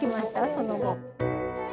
その後。